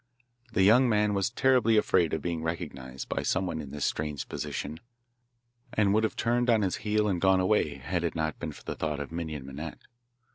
The young man was terribly afraid of being recognised by someone in this strange position, and would have turned on his heel and gone away had it not been for the thought of Minon Minette.